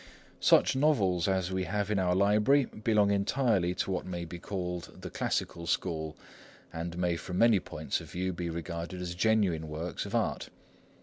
Such novels as we have in our library belong entirely to what may be called the classical school, and may from many points of view be regarded as genuine works of art.